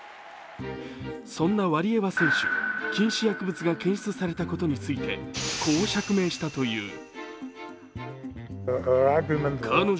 そんなワリエワ選手、禁止薬物が検出されたことについて、こう釈明したという。